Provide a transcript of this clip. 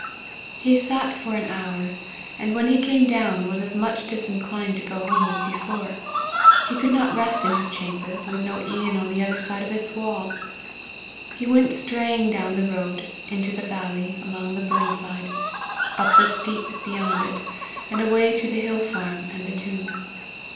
He sat for an hour, and when he came down, was as much disinclined to go home as before: he could not rest in his chamber, with no Ian on the other side of its wall! He went straying down the road, into the valley, along the burnside, up the steep beyond it, and away to the hill farm and the tomb.